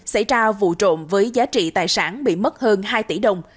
xảy ra vụ trộm với giá trị tài sản bị mất hơn hai tỷ đồng